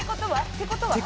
てことは？